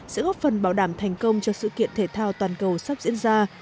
hai nghìn một mươi tám sẽ góp phần bảo đảm thành công cho sự kiện thể thao toàn cầu sắp diễn ra